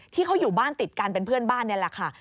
ที่เขาอยู่บ้านติดกันเป็นเพื่อนบ้านนี่แหละค่ะ